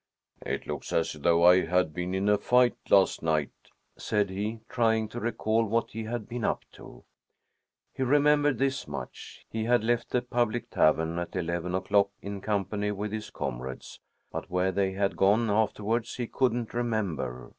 "It looks as though I had been in a fight last night," said he, trying to recall what he had been up to. He remembered this much: he had left the public tavern at eleven o'clock in company with his comrades; but where they had gone afterwards, he couldn't remember.